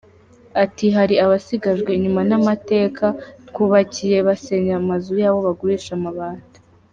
Ati “Hari Abasigajwe inyuma n’amateka twubakiye basenya amazu yabo bagurisha amabati.